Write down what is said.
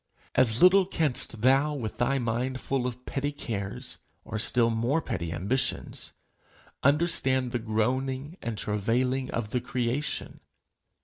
As little canst thou, with thy mind full of petty cares, or still more petty ambitions, understand the groaning and travailing of the creation.